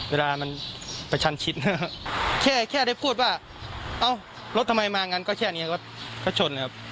เวลามันประชันชิดแค่ได้พูดว่ารถทำไมมางั้นก็แค่นี้ก็ชนนะครับ